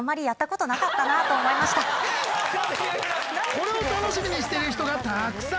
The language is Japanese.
これを楽しみにしてる人がたくさん。